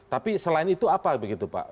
tapi selain itu apa begitu pak